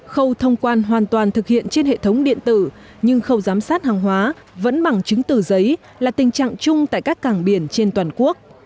khâu thông quan hoàn toàn thực hiện trên hệ thống điện tử nhưng khâu giám sát hàng hóa vẫn bằng chứng từ giấy là tình trạng chung tại các cảng biển trên toàn quốc